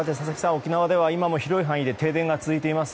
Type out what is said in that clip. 沖縄では今も広い範囲で停電が続いています。